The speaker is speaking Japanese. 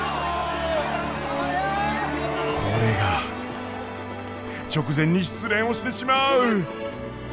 これが直前に失恋をしてしまう。